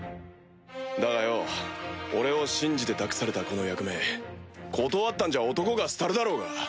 だがよ俺を信じて託されたこの役目断ったんじゃ男が廃るだろうが。